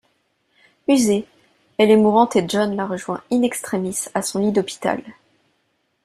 Usée, elle est mourante et John la rejoint in extremis à son lit d'hôpital.